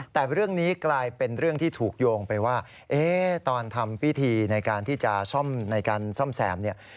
แต่เรื่องนี้กลายเป็นเรื่องที่ถูกโยงไปว่าตอนทำพิธีในการที่จะซ่อมในการซ่อมแซมเนี่ย